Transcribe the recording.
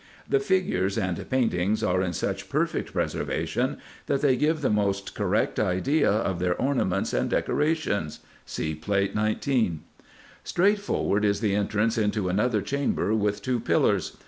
The figures and paintings are in such perfect preservation, that they give the most correct idea of their ornaments and decorations (See Plate 19). Straight forward is the entrance into another chamber with two pillars.